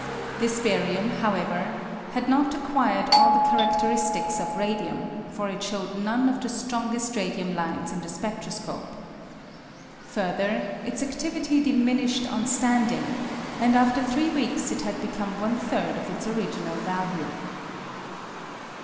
This barium, however, had not acquired all the charaderistics of radium, for it showed none of the strongest radium lines in the spedroscope. Further, its adivity diminished on standing, and after three weeks it had become one third of its original value.